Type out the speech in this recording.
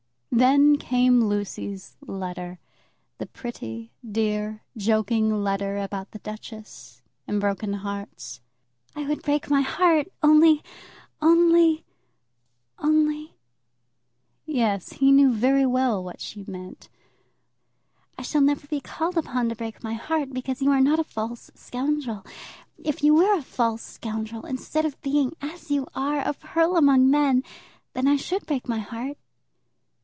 Then came Lucy's letter; the pretty, dear, joking letter about the "duchess," and broken hearts. "I would break my heart, only only only " Yes, he knew very well what she meant. I shall never be called upon to break my heart, because you are not a false scoundrel. If you were a false scoundrel, instead of being, as you are, a pearl among men, then I should break my heart.